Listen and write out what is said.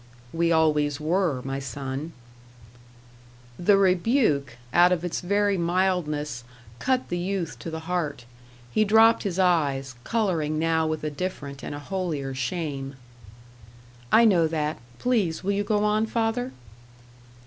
"We always were, my son." The rebuke, out of its very mildness, cut the youth to the heart. He dropped his eyes, colouring now with a different and a holier shame. "I know that. Please will you go on, father."